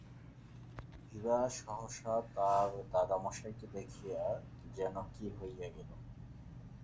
বিভা সহসা তাহার দাদা মহাশয়কে দেখিয়া যেন কি হইয়া গেল।